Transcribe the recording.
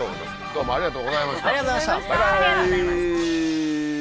どうもありがとうございましたバイバイ！